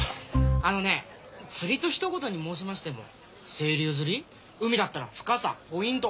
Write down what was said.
あのね釣りとひと言に申しましても清流釣り海だったら深さポイント。